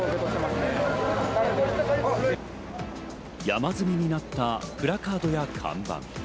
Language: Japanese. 山積みになったプラカードや看板。